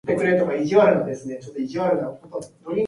Production credits for "So Bad (Tak remix)" were not revealed.